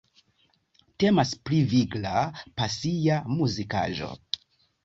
Temas pri vigla, pasia muzikaĵo.